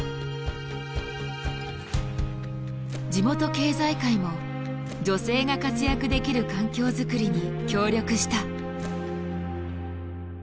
地元経済界も女性が活躍できる環境づくりに協力した。